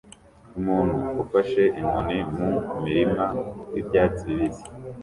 Umuntu ufashe inkoni mu murima wibyatsi bibisi